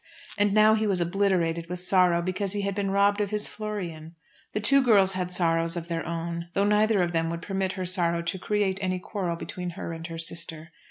And now he was obliterated with sorrow because he had been robbed of his Florian. The two girls had sorrows of their own; though neither of them would permit her sorrow to create any quarrel between her and her sister.